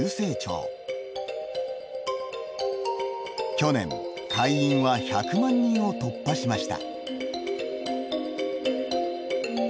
去年会員は１００万人を突破しました。